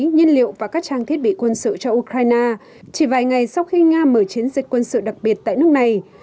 nhiên liệu và các trang thiết bị quân sự cho ukraine chỉ vài ngày sau khi nga mở chiến dịch quân sự đặc biệt tại nước này